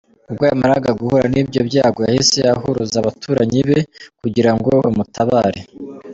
Ubwo yamaraga guhura n’ibyo byago yahise ahuruza abaturanyi be kugira ngo bamutabare.